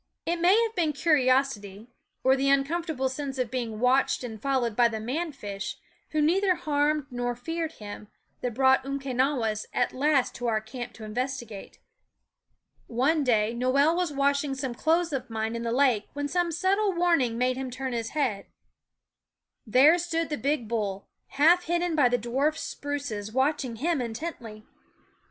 It may have been curiosity, or the uncom fortable sense of being watched and followed by the man fish, who neither harmed nor feared him, that brought Umque nawis at last to our camp to investigate. One day Noel was washing some clothes of mine JAeff/ghfy jn// ijl fl SCHOOL OP 282 r the lake when some subtle warning made ^^ m * urn ^^ s head. There stood the big *hty bull, na ^ hidden by the dwarf spruces, watching him intently.